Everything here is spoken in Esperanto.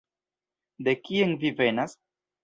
De kien vi venas?